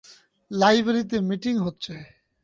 লাইব্রেরিতে মিটিং হচ্ছে।